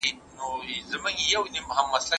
د هغه هره کلمه په ماناګانو بار ده.